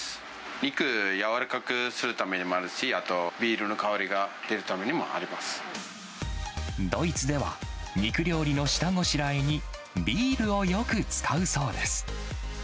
肉をやわらかくするためでもあるし、あとビールの香りが出るためドイツでは、肉料理の下ごしらえに、ビールをよく使うそうです。